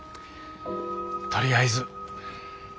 とりあえず。